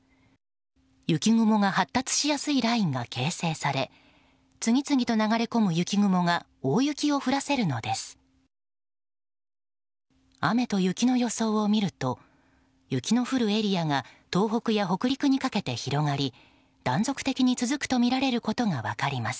雪雲が発達しやすいラインが形成され次々と流れ込む雪雲が大雪を降らせるのです。